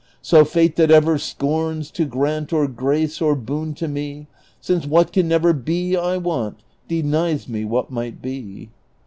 So Fate that ever scorns to grant Or grace or boon to me. Since what can never be I want, Denies me what miglit be.